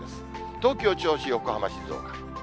東京、銚子、横浜、静岡。